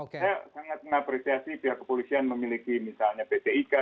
saya sangat mengapresiasi pihak kepolisian memiliki misalnya pt ika